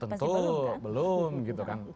tentu belum gitu kan